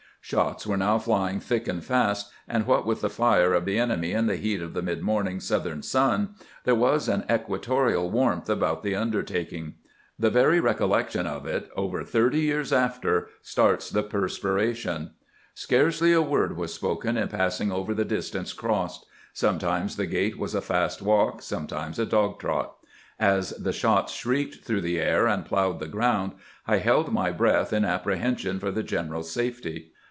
Shots were now flying thick and fast, and what with the fire of the enemy and the heat of the midsummer Southern sun, there was an equatorial warmth about the undertaking. The very recollection of it, over thirty years after, starts the perspiration. FArLTJKE OF THE ASSAULT AT THE MINE 267 Scarcely a word was spoken in passing over the distance crossed. Sometimes the gait was a fast walk, sometimes a dog trot. As the shots shrieked through the air, and plowed the grdund, I held my breath in apprehension for the general's safety.